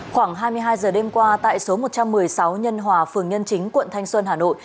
khoảng hai mươi hai giờ đêm qua tại số một trăm một mươi sáu nhân hòa phường nhân chính quận thanh xuân hà nội